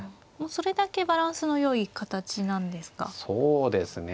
それだけバランスのよい形なんですか。